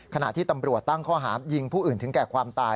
ขณะที่ตำรวจตั้งข้อหายิงผู้อื่นถึงแก่ความตาย